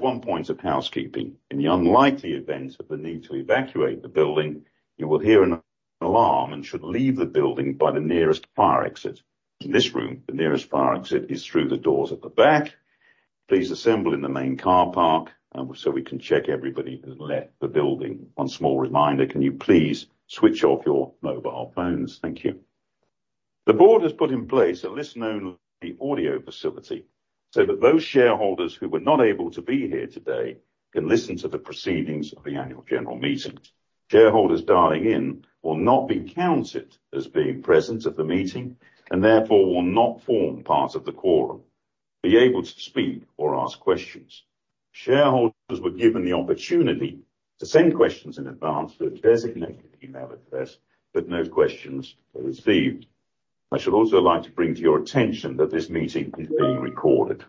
Thank you. The board has put in place a listen-only audio facility so that those shareholders who were not able to be here today can listen to the proceedings of the Annual General Meeting. Shareholders dialing in will not be counted as being present at the meeting and therefore will not form part of the quorum, be able to speak or ask questions. Shareholders were given the opportunity to send questions in advance through a designated email address, but no questions were received. I should also like to bring to your attention that this meeting is being recorded.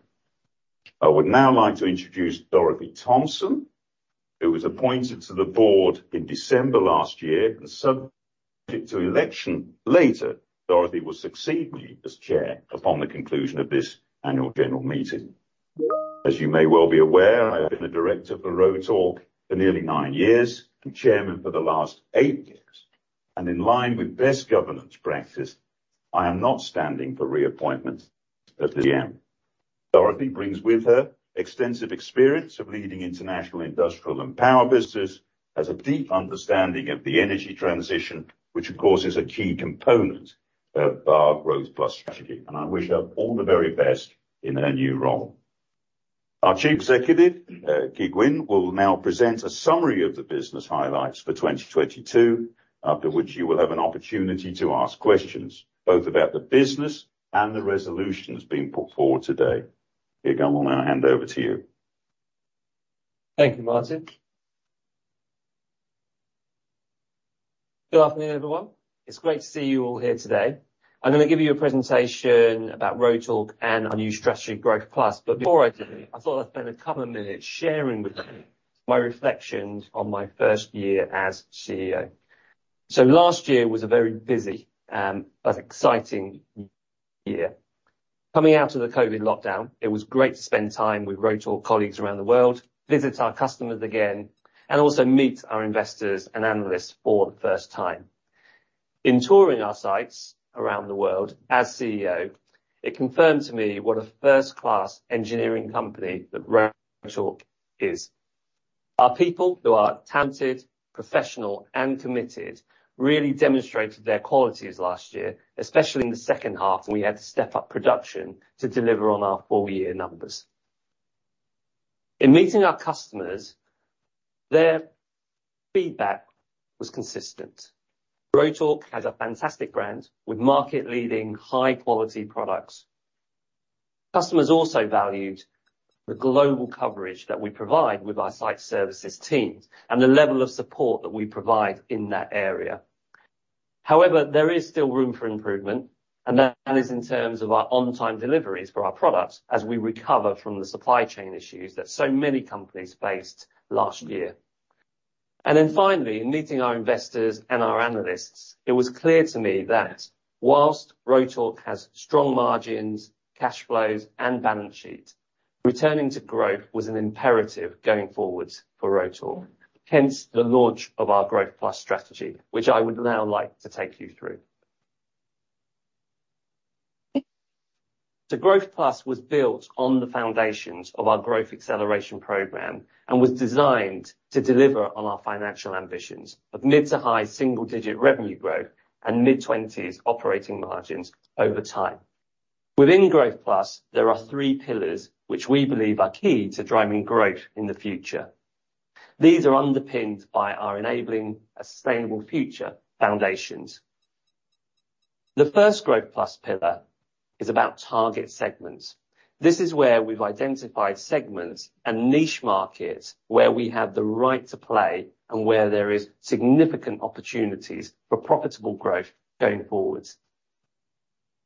I would now like to introduce Dorothy Thompson, who was appointed to the board in December last year, and subject to election later, Dorothy will succeed me as Chair upon the conclusion of this Annual General Meeting. As you may well be aware, I have been a Director for Rotork for nearly nine years and Chairman for the last eight years. In line with best governance practice, I am not standing for reappointment at the AGM. Dorothy brings with her extensive experience of leading international industrial and power business, has a deep understanding of the energy transition, which of course is a key component of our Growth+ strategy, and I wish her all the very best in her new role. Our Chief Executive, Kiet Huynh, will now present a summary of the business highlights for 2022, after which you will have an opportunity to ask questions both about the business and the resolutions being put forward today. Kiet, I will now hand over to you. Thank you, Martin. Good afternoon, everyone. It's great to see you all here today. I'm gonna give you a presentation about Rotork and our new strategy, Growth+. Before I do, I thought I'd spend a couple of minutes sharing with you my reflections on my first year as CEO. Last year was a very busy but exciting year. Coming out of the COVID lockdown, it was great to spend time with Rotork colleagues around the world, visit our customers again, and also meet our investors and analysts for the first time. In touring our sites around the world as CEO, it confirmed to me what a first-class engineering company that Rotork is. Our people, who are talented, professional, and committed, really demonstrated their qualities last year, especially in the second half, when we had to step up production to deliver on our full year numbers. In meeting our customers, their feedback was consistent. Rotork has a fantastic brand with market-leading high quality products. Customers also valued the global coverage that we provide with our site services teams and the level of support that we provide in that area. However here is still room for improvement, and that is in terms of our on-time deliveries for our products as we recover from the supply chain issues that so many companies faced last year. Finally, meeting our investors and our analysts, it was clear to me that whilst Rotork has strong margins, cash flows, and balance sheet, returning to growth was an imperative going forward for Rotork. The launch of our Growth+ strategy, which I would now like to take you through. Growth+ was built on the foundations of our Growth Acceleration Programme and was designed to deliver on our financial ambitions of mid to high single-digit revenue growth and mid-20s operating margins over time. Within Growth+, there are three pillars which we believe are key to driving growth in the future. These are underpinned by our enabling a sustainable future foundations. The first Growth+ pillar is about target segments. This is where we've identified segments and niche markets where we have the right to play and where there is significant opportunities for profitable growth going forward.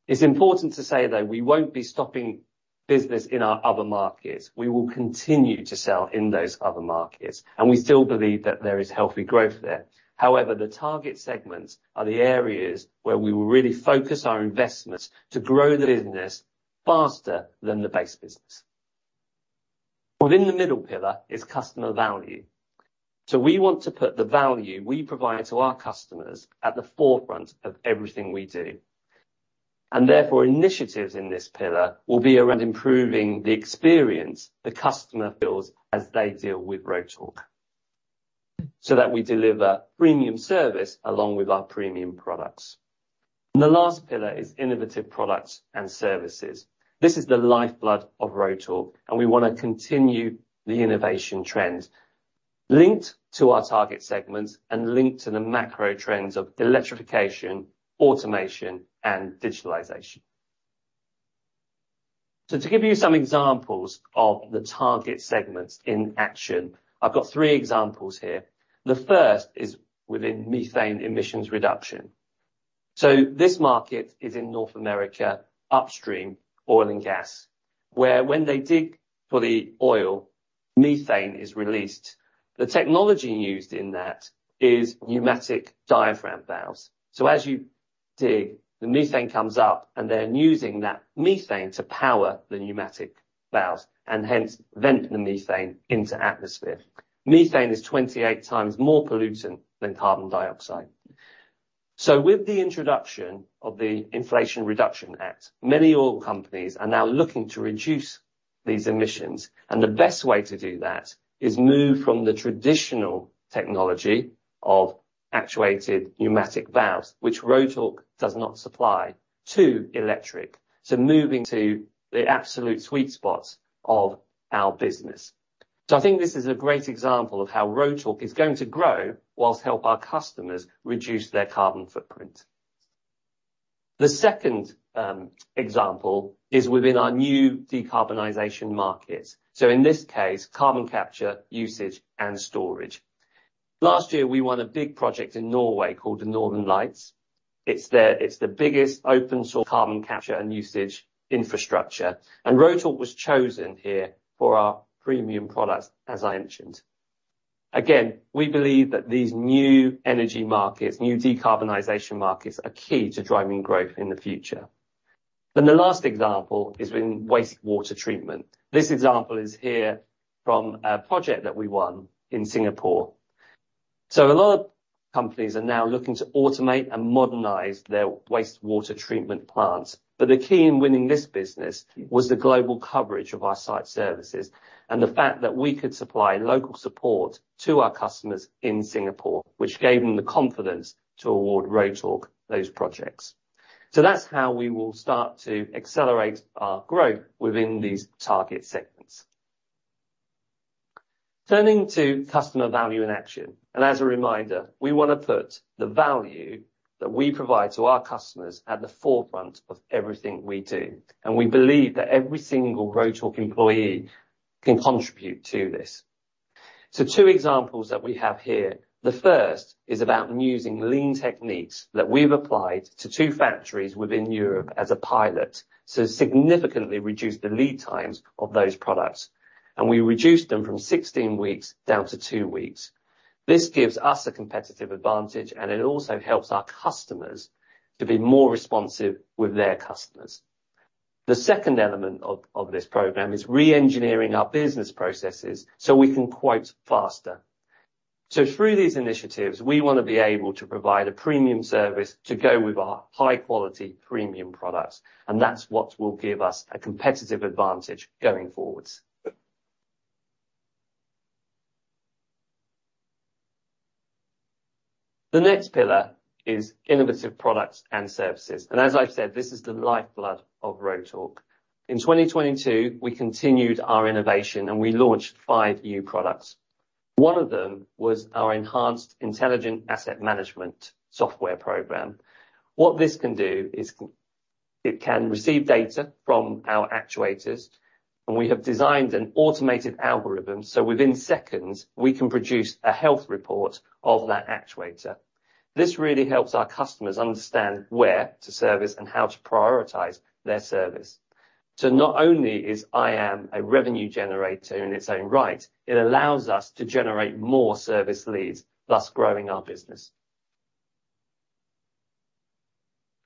It's important to say, though, we won't be stopping business in our other markets. We will continue to sell in those other markets, and we still believe that there is healthy growth there. However, the target segments are the areas where we will really focus our investments to grow the business faster than the base business. Within the middle pillar is customer value. We want to put the value we provide to our customers at the forefront of everything we do. Therefore, initiatives in this pillar will be around improving the experience the customer feels as they deal with Rotork, so that we deliver premium service along with our premium products. The last pillar is innovative products and services. This is the lifeblood of Rotork, and we wanna continue the innovation trend linked to our target segments and linked to the macro trends of electrification, automation, and digitalization. To give you some examples of the target segments in action, I've got three examples here. The first is within methane emissions reduction. This market is in North America, upstream oil and gas, where when they dig for the oil, methane is released. The technology used in that is pneumatic diaphragm valves. As you dig, the methane comes up, and they're using that methane to power the pneumatic valves and hence venting the methane into atmosphere. Methane is 28x more pollutant than carbon dioxide. With the introduction of the Inflation Reduction Act, many oil companies are now looking to reduce these emissions, and the best way to do that is move from the traditional technology of actuated pneumatic valves, which Rotork does not supply to electric, so moving to the absolute sweet spot of our business. I think this is a great example of how Rotork is going to grow whilst help our customers reduce their carbon footprint. The second example is within our new decarbonization markets, so in this case, Carbon capture, utilisation & storage. Last year, we won a big project in Norway called the Northern Lights. It's the biggest open source carbon capture and usage infrastructure, and Rotork was chosen here for our premium products, as I mentioned. Again, we believe that these new energy markets, new decarbonization markets, are key to driving growth in the future. The last example is in wastewater treatment. This example is here from a project that we won in Singapore. A lot of companies are now looking to automate and modernize their wastewater treatment plants. The key in winning this business was the global coverage of our site services and the fact that we could supply local support to our customers in Singapore, which gave them the confidence to award Rotork those projects. That's how we will start to accelerate our growth within these target segments. Turning to customer value in action, and as a reminder, we wanna put the value that we provide to our customers at the forefront of everything we do, and we believe that every single Rotork employee can contribute to this. Two examples that we have here. The first is about using lean techniques that we've applied to two factories within Europe as a pilot to significantly reduce the lead times of those products, and we reduced them from 16 weeks down to two weeks. This gives us a competitive advantage, and it also helps our customers to be more responsive with their customers. The second element of this program is reengineering our business processes, so we can quote faster. Through these initiatives, we wanna be able to provide a premium service to go with our high-quality premium products, and that's what will give us a competitive advantage going forward. The next pillar is innovative products and services, and as I've said, this is the lifeblood of Rotork. In 2022, we continued our innovation, and we launched five new products. One of them was our enhanced Intelligent Asset Management software program. What this can do is it can receive data from our actuators, and we have designed an automated algorithm, so within seconds, we can produce a health report of that actuator. This really helps our customers understand where to service and how to prioritize their service. Not only is IAM a revenue generator in its own right, it allows us to generate more service leads, thus growing our business.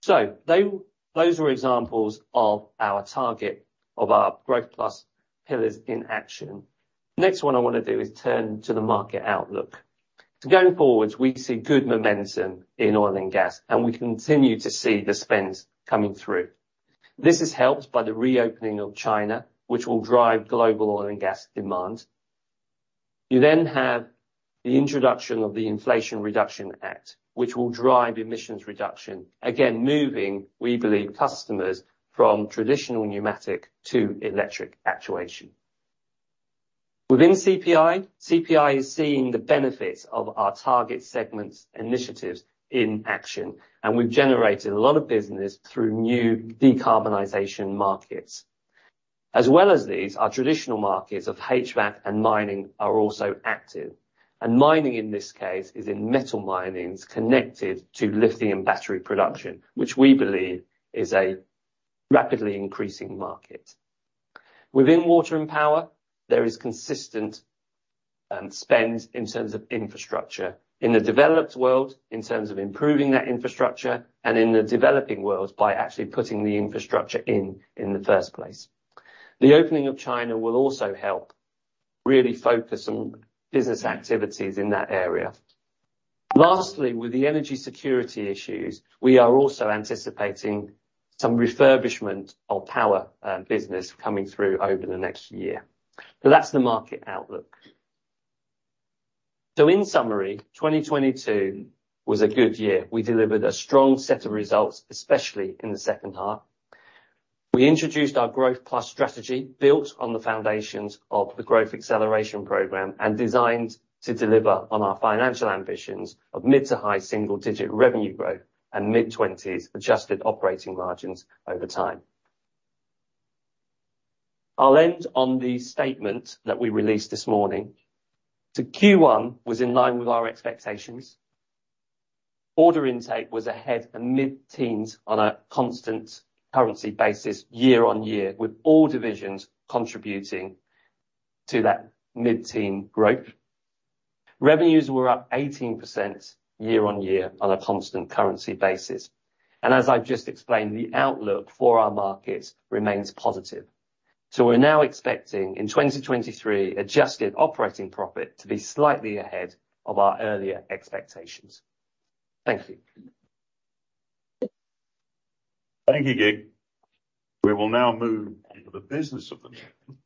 Those are examples of our target of our Growth+ pillars in action. Next one I wanna do is turn to the market outlook. Going forwards, we see good momentum in oil and gas, and we continue to see the spend coming through. This is helped by the reopening of China, which will drive global oil and gas demand. You have the introduction of the Inflation Reduction Act, which will drive emissions reduction, again, moving, we believe, customers from traditional pneumatic to electric actuation. Within CPI, CPI is seeing the benefits of our target segments initiatives in action, and we've generated a lot of business through new decarbonization markets. As well as these, our traditional markets of HVAC and mining are also active, and mining, in this case, is in metal minings connected to lithium battery production, which we believe is a rapidly increasing market. Within water and power, there is consistent spend in terms of infrastructure in the developed world, in terms of improving that infrastructure and in the developing world by actually putting the infrastructure in in the first place. The opening of China will also help really focus on business activities in that area. Lastly, with the energy security issues, we are also anticipating some refurbishment of power business coming through over the next year. That's the market outlook. In summary, 2022 was a good year. We delivered a strong set of results, especially in the second half. We introduced our Growth+ strategy built on the foundations of the Growth Acceleration Programme and designed to deliver on our financial ambitions of mid to high single-digit revenue growth and mid 20s adjusted operating margins over time. I'll end on the statement that we released this morning. Q1 was in line with our expectations. Order intake was ahead at mid-teens on a constant currency basis year-on-year, with all divisions contributing to that mid-teen growth. Revenues were up 18% year on year on a constant currency basis. As I've just explained, the outlook for our markets remains positive. We're now expecting, in 2023, adjusted operating profit to be slightly ahead of our earlier expectations. Thank you. Thank you, Kiet. We will now move into the business of the day,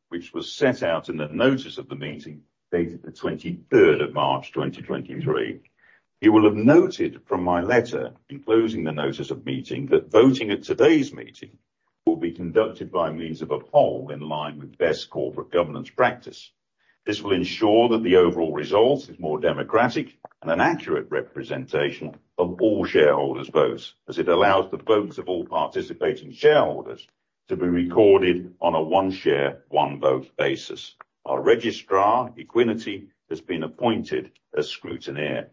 which was set out in the notice of the meeting dated the 23rd of March, 2023. You will have noted from my letter enclosing the notice of meeting that voting at today's meeting will be conducted by means of a poll in line with best corporate governance practice. This will ensure that the overall result is more democratic and an accurate representation of all shareholders' votes, as it allows the votes of all participating shareholders to be recorded on a one share, one vote basis. Our Registrar, Equiniti, has been appointed as scrutineer.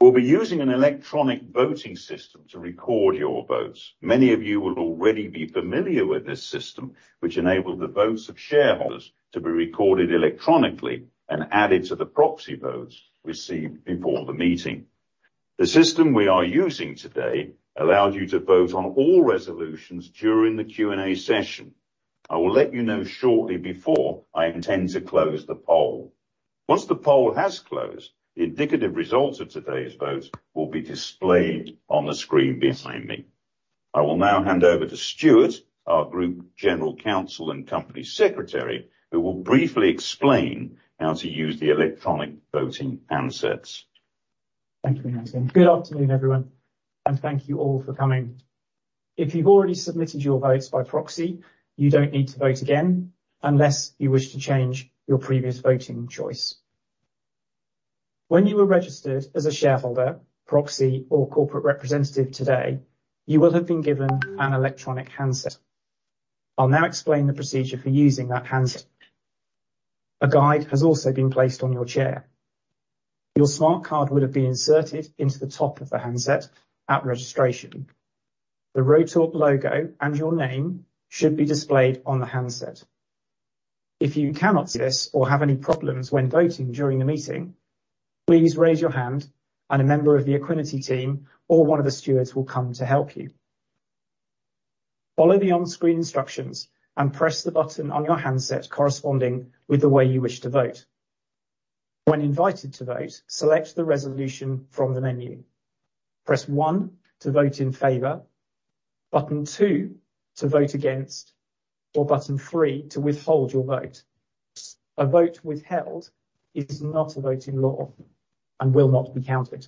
We'll be using an electronic voting system to record your votes. Many of you will already be familiar with this system, which enable the votes of shareholders to be recorded electronically and added to the proxy votes received before the meeting. The system we are using today allows you to vote on all resolutions during the Q&A session. I will let you know shortly before I intend to close the poll. Once the poll has closed, the indicative results of today's vote will be displayed on the screen behind me. I will now hand over to Stuart, our Group General Counsel and Company Secretary, who will briefly explain how to use the electronic voting handsets. Thank you, Martin. Good afternoon, everyone, and thank you all for coming. If you've already submitted your votes by proxy, you don't need to vote again unless you wish to change your previous voting choice. When you were registered as a shareholder, proxy or corporate representative today, you will have been given an electronic handset. I'll now explain the procedure for using that handset. A guide has also been placed on your chair. Your smart card would have been inserted into the top of the handset at registration. The Rotork logo and your name should be displayed on the handset. If you cannot see this or have any problems when voting during the meeting, please raise your hand and a member of the Equiniti team or one of the stewards will come to help you. Follow the on-screen instructions and press the button on your handset corresponding with the way you wish to vote. When invited to vote, select the resolution from the menu. Press one to vote in favor, button two to vote against, or button three to withhold your vote. A vote withheld is not a vote in law and will not be counted.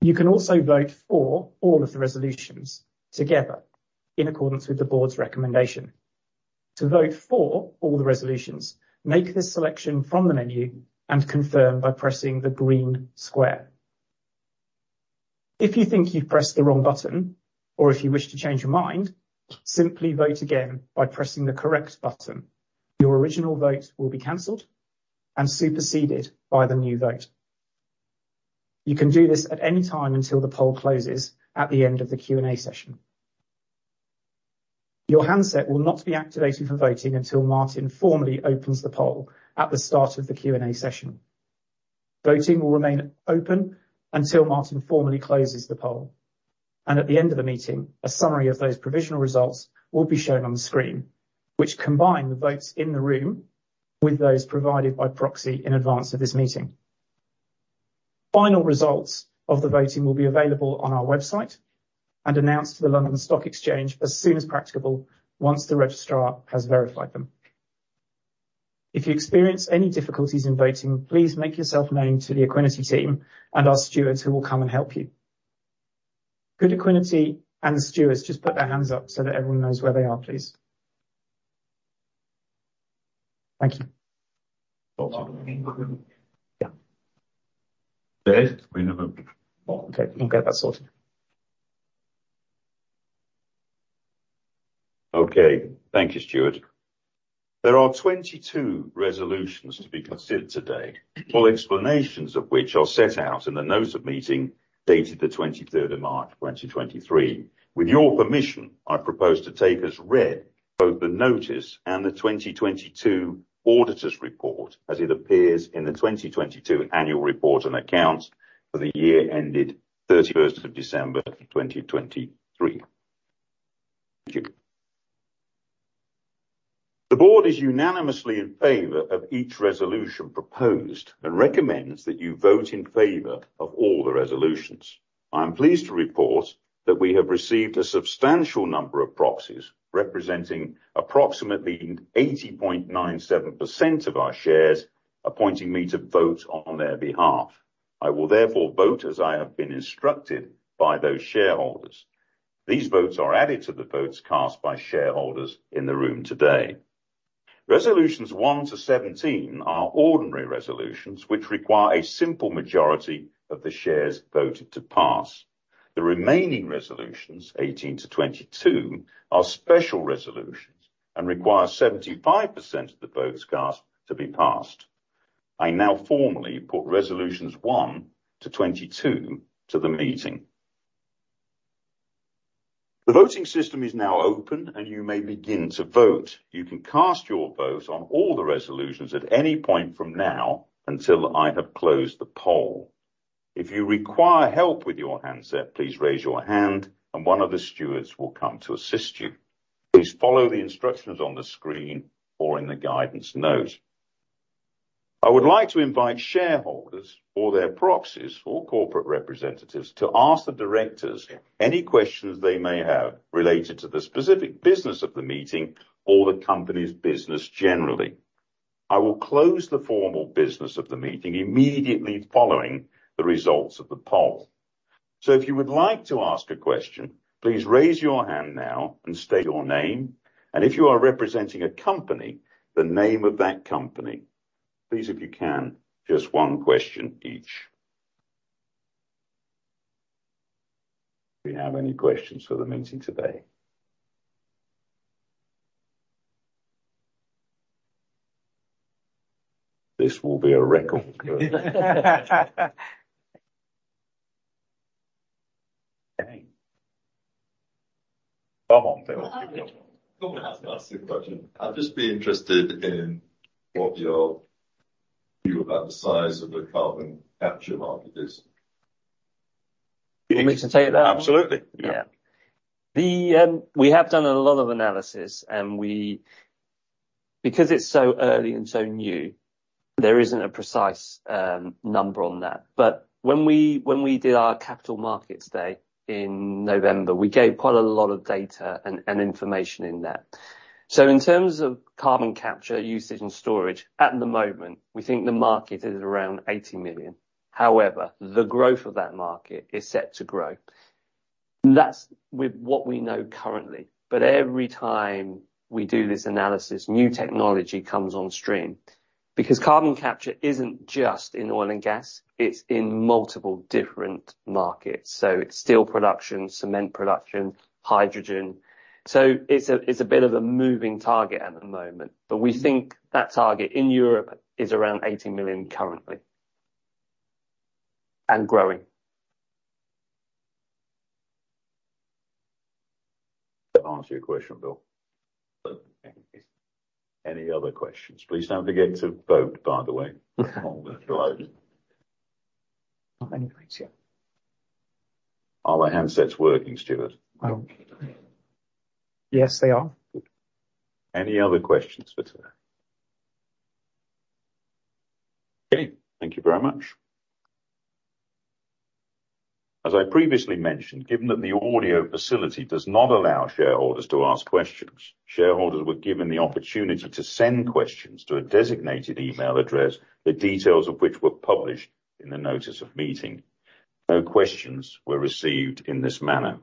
You can also vote for all of the resolutions together in accordance with the board's recommendation. To vote for all the resolutions, make this selection from the menu and confirm by pressing the green square. If you think you've pressed the wrong button or if you wish to change your mind, simply vote again by pressing the correct button. Your original vote will be canceled and superseded by the new vote. You can do this at any time until the poll closes at the end of the Q&A session. Your handset will not be activated for voting until Martin formally opens the poll at the start of the Q&A session. Voting will remain open until Martin formally closes the poll. At the end of the meeting, a summary of those provisional results will be shown on the screen, which combine the votes in the room with those provided by proxy in advance of this meeting. Final results of the voting will be available on our website and announced to the London Stock Exchange as soon as practicable once the registrar has verified them. If you experience any difficulties in voting, please make yourself known to the Equiniti team and our stewards who will come and help you. Could Equiniti and the stewards just put their hands up so that everyone knows where they are, please? Thank you. Awesome. Yeah. Stuart, we have Okay. We'll get that sorted. Okay, thank you, Stuart. There are 22 resolutions to be considered today. Full explanations of which are set out in the notice of meeting dated March 23, 2023. With your permission, I propose to take as read both the notice and the 2022 auditor's report as it appears in the 2022 annual report and accounts for the year ended December 31, 2023. Thank you. The board is unanimously in favor of each resolution proposed and recommends that you vote in favor of all the resolutions. I am pleased to report that we have received a substantial number of proxies, representing approximately 80.97% of our shares, appointing me to vote on their behalf. I will therefore vote as I have been instructed by those shareholders. These votes are added to the votes cast by shareholders in the room today. Resolutions 1-17 are ordinary resolutions, which require a simple majority of the shares voted to pass. The remaining resolutions, 18-22, are special resolutions and require 75% of the votes cast to be passed. I now formally put resolutions 1-22 to the meeting. The voting system is now open, and you may begin to vote. You can cast your vote on all the resolutions at any point from now until I have closed the poll. If you require help with your handset, please raise your hand and one of the stewards will come to assist you. Please follow the instructions on the screen or in the guidance notes. I would like to invite shareholders or their proxies or corporate representatives to ask the directors any questions they may have related to the specific business of the meeting or the company's business generally. I will close the formal business of the meeting immediately following the results of the poll. If you would like to ask a question, please raise your hand now and state your name, and if you are representing a company, the name of that company. Please, if you can, just one question each. Do we have any questions for the meeting today? This will be a record. Come on, Bill. Bill has to ask a question. I'd just be interested in what your view about the size of the carbon capture market is. You want me to take that? Absolutely. We have done a lot of analysis, and because it's so early and so new, there isn't a precise number on that. When we did our Capital Markets Day in November, we gave quite a lot of data and information in that. In terms of Carbon capture, utilisation & storage, at the moment, we think the market is around 80 million. However, the growth of that market is set to grow. That's with what we know currently, every time we do this analysis, new technology comes on stream. Carbon capture isn't just in oil and gas, it's in multiple different markets. It's steel production, cement production, hydrogen. It's a bit of a moving target at the moment. We think that target in Europe is around 80 million currently, and growing. That answered your question, Bill. Any other questions? Please don't forget to vote, by the way. Before we close. Not many points, yeah. Are the handsets working, Stuart? Yes, they are. Any other questions for today? Okay, thank you very much. As I previously mentioned, given that the audio facility does not allow shareholders to ask questions, shareholders were given the opportunity to send questions to a designated email address, the details of which were published in the notice of meeting. No questions were received in this manner.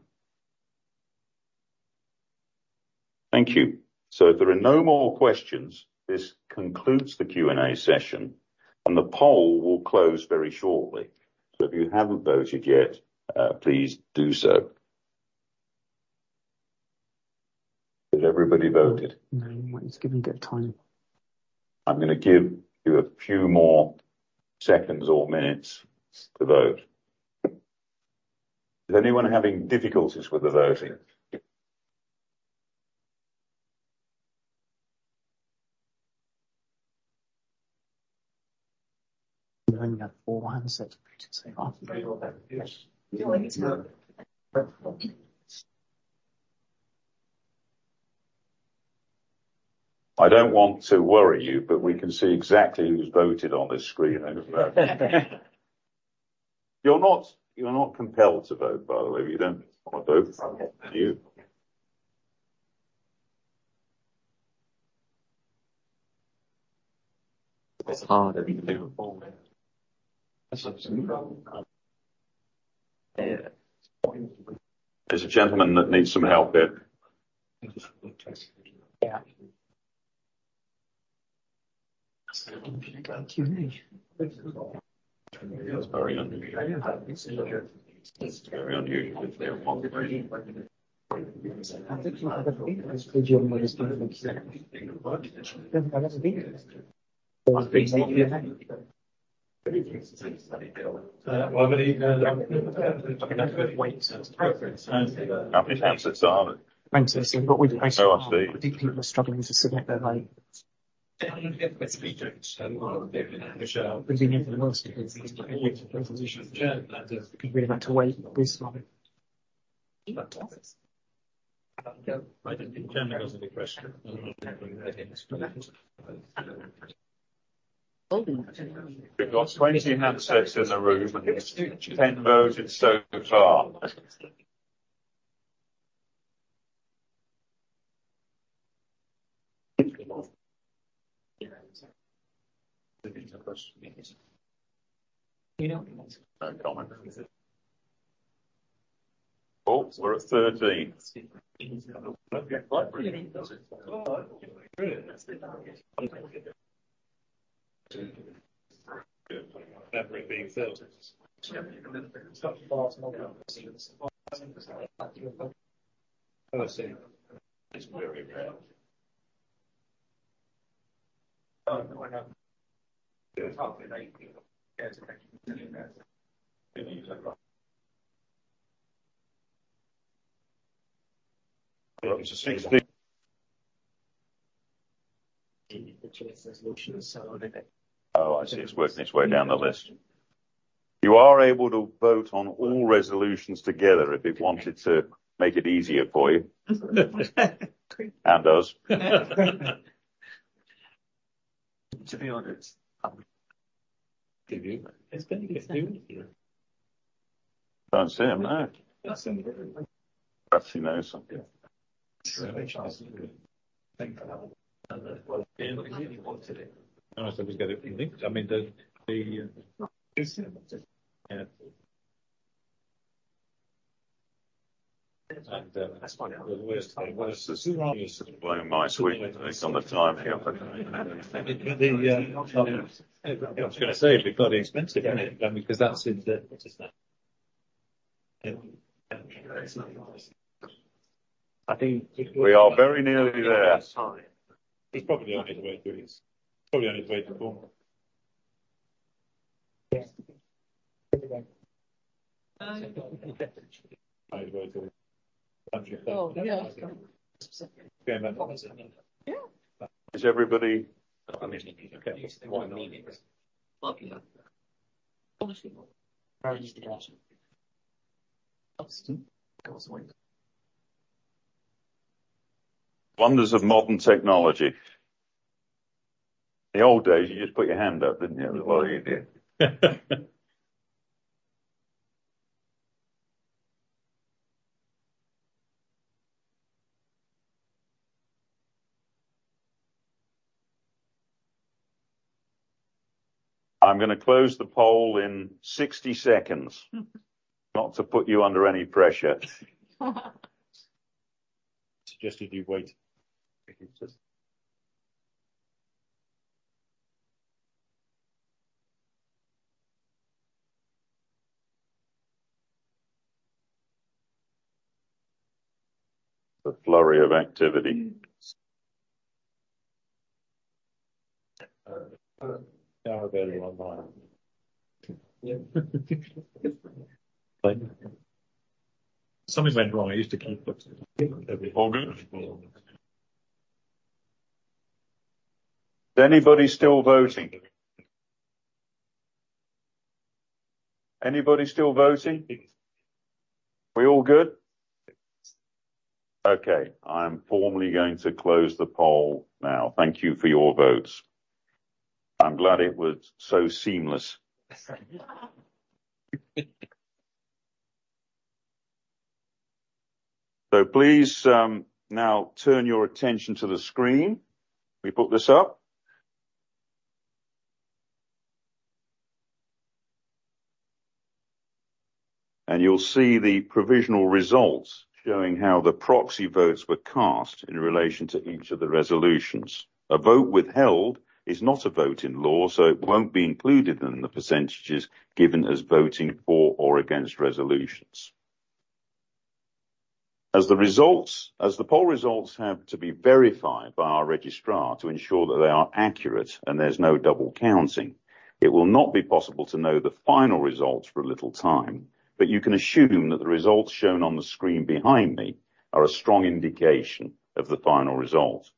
Thank you. If there are no more questions, this concludes the Q&A session, and the poll will close very shortly. If you haven't voted yet, please do so. Has everybody voted? No. Let's give them a bit of time. I'm gonna give you a few more seconds or minutes to vote. Is anyone having difficulties with the voting? We only have four handsets I don't want to worry you, but we can see exactly who's voted on this screen. You're not compelled to vote, by the way, if you don't wanna vote. Do you? There's a gentleman that needs some help there. Yeah. People are struggling to submit their vote. We really have to wait this time. We've got 20 handsets in the room, and it's 10 voted so far. Oh, we're at 13. Oh, I see. It's working its way down the list. You are able to vote on all resolutions together if it wanted to make it easier for you. And us. To be honest, give you. It's been here. Can't see him now. Yes, I'm good. Perhaps he knows something. That's fine. I was gonna say it'd be bloody expensive, isn't it? I mean, 'cause that's in the--. We are very nearly there. It's time. It's probably on his way to do this. Probably on his way to the forum. Yes. Is everybody? Wonders of modern technology. The old days, you just put your hand up, didn't you? Well, you did. I'm gonna close the poll in 60 seconds. Not to put you under any pressure. Suggested you wait. A flurry of activity. Now we're going online. Something went wrong. I used to keep looking. All good? Is anybody still voting? Anybody still voting? We all good? Okay. I'm formally going to close the poll now. Thank you for your votes. I'm glad it was so seamless. Please now turn your attention to the screen. Let me put this up. You'll see the provisional results showing how the proxy votes were cast in relation to each of the resolutions. A vote withheld is not a vote in law, it won't be included in the percentages given as voting for or against resolutions. As the poll results have to be verified by our registrar to ensure that they are accurate and there's no double counting, it will not be possible to know the final results for a little time, you can assume that the results shown on the screen behind me are a strong indication of the final result.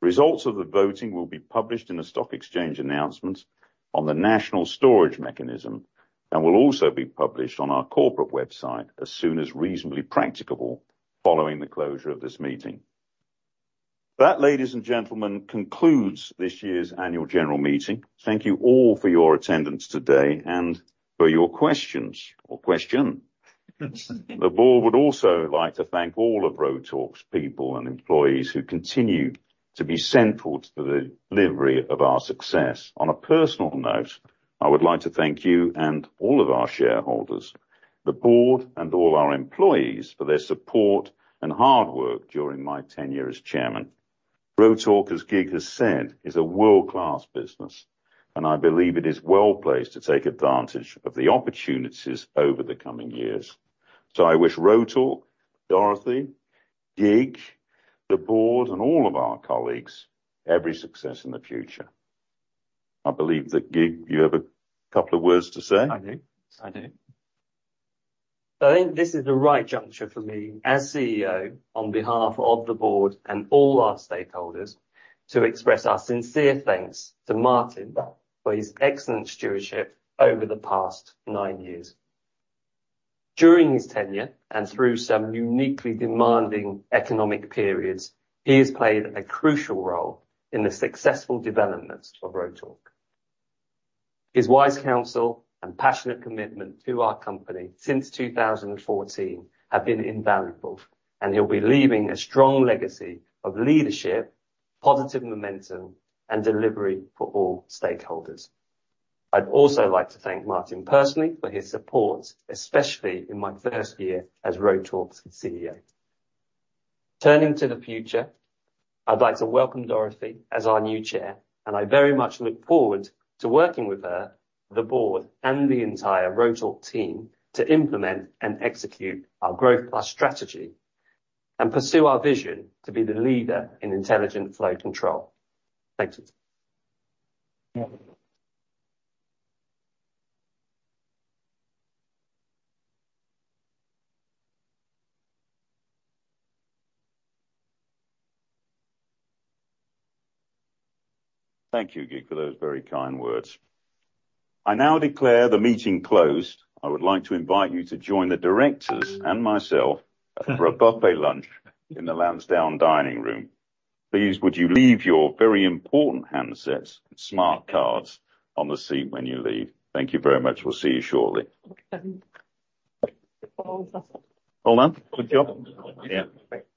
Results of the voting will be published in a stock exchange announcement on the National Storage Mechanism and will also be published on our corporate website as soon as reasonably practicable following the closure of this meeting. That, ladies and gentlemen, concludes this year's annual general meeting. Thank you all for your attendance today and for your questions or question. The board would also like to thank all of Rotork's people and employees who continue to be central to the delivery of our success. On a personal note, I would like to thank you and all of our shareholders, the board, and all our employees for their support and hard work during my tenure as chairman. Rotork, as Kiet has said, is a world-class business, and I believe it is well-placed to take advantage of the opportunities over the coming years. I wish Rotork, Dorothy, Kiet, the board, and all of our colleagues, every success in the future. I believe that, Kiet, you have a couple of words to say. I do. I think this is the right juncture for me as CEO on behalf of the board and all our stakeholders to express our sincere thanks to Martin for his excellent stewardship over the past nine years. During his tenure, and through some uniquely demanding economic periods, he has played a crucial role in the successful development of Rotork. His wise counsel and passionate commitment to our company since 2014 have been invaluable. He'll be leaving a strong legacy of leadership, positive momentum, and delivery for all stakeholders. I'd also like to thank Martin personally for his support, especially in my first year as Rotork's CEO. Turning to the future, I'd like to welcome Dorothy as our new Chair, and I very much look forward to working with her, the board, and the entire Rotork team to implement and execute our Growth+ strategy and pursue our vision to be the leader in intelligent flow control. Thank you. Thank you, Kiet, for those very kind words. I now declare the meeting closed. I would like to invite you to join the directors and myself for a buffet lunch in the Lansdown dining room. Please, would you leave your very important handsets and smart cards on the seat when you leave. Thank you very much. We'll see you shortly.